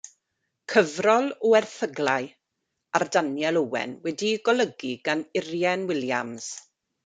Cyfrol o erthyglau ar Daniel Owen wedi'i golygu gan Urien Williams.